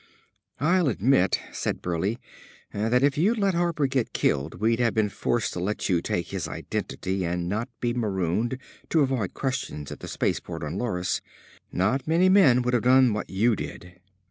"I'll admit," said Burleigh, "that if you'd let Harper get killed, we'd have been forced to let you take his identity and not be marooned, to avoid questions at the space port on Loris. Not many men would have done what you did."